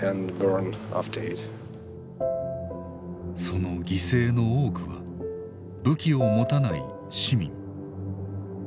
その犠牲の多くは武器を持たない市民。